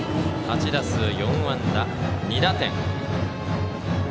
８打数４安打２打点。